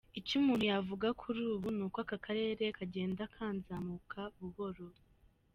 Icyo umuntu yavuga kuri ubu, ni uko aka karere kagenda kazanzamuka buhoro.